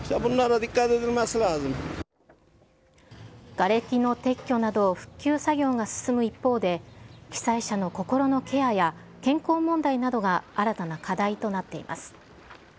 がれきの撤去など復旧作業が進む一方で、被災者の心のケアや、健康問題などが新たな課題となっています。